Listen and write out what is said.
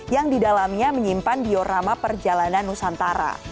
yang di dalamnya menyimpan diorama perjalanan nusantara